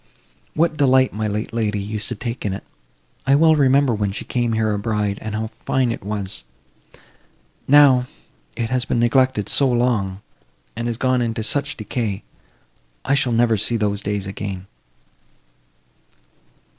What delight my late lady used to take in it! I well remember when she came here a bride, and how fine it was. Now, it has been neglected so long, and is gone into such decay! I shall never see those days again!"